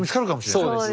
そうですよ。